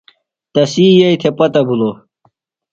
تسی یئییۡ تھےۡ پتہ بِھلوۡ۔